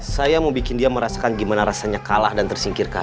saya mau bikin dia merasakan gimana rasanya kalah dan tersingkirkan